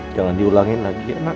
jangan diulangin lagi ya nak